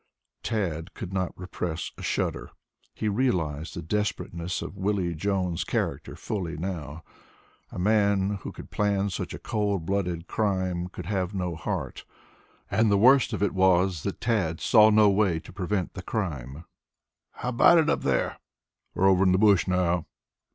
Tad could not repress a shudder. He realized the desperateness of Willie Jones' character fully now. A man who could plan such a cold blooded crime could have no heart. And the worst of it was that Tad saw no way to prevent the crime. "How about it up there?" "They're over in the bush now."